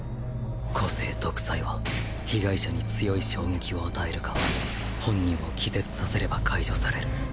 個性独裁は被害者に強い衝撃を与えるか本人を気絶させれば解除される